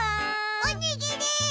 おにぎり！